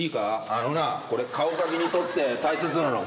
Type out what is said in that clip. あのなこれかごかきにとって大切なのは。